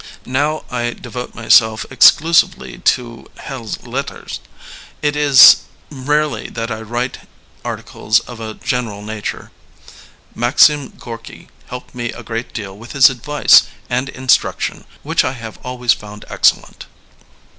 Now I de vote myself exclusively to helles lettres. It is rarely that I write articles of a general nature. Maxim Gorky helped me a great deal with his advice and instruction, which I have always found excellent.